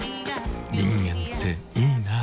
人間っていいナ。